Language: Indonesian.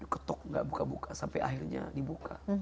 ketuk gak buka buka sampai akhirnya dibuka